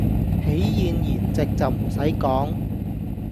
喜宴筵席就唔使講